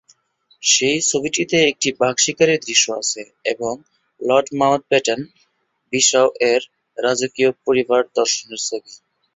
সেই ছবিটিতে একটি বাঘ শিকারে দৃশ্য আছে এবং লর্ড মাউন্টব্যাটেন বিসাউ এর রাজকীয় পরিবার দর্শনের ছবি।